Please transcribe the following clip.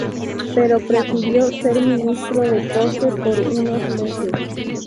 Pero prefirió ser ministro de Posse por unos meses.